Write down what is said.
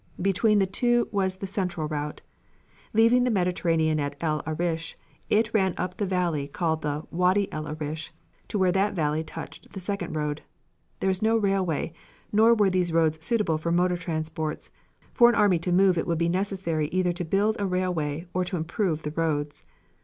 Between the two was the central route. Leaving the Mediterranean at El Arish it ran up the valley called the Wady El Arish to where that valley touched the second road. There was no railway, nor were these roads suitable for motor transports; for an army to move it would be necessary either to build a railway or to improve the roads.